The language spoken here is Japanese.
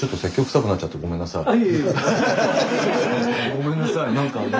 ごめんなさい何か。